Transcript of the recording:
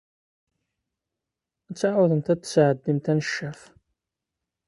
Ad tɛawdemt ad d-tesɛeddimt aneccaf.